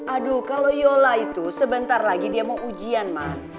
aduh kalau yola itu sebentar lagi dia mau ujian mah